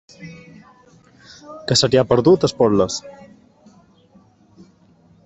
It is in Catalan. Què se t'hi ha perdut, a Esporles?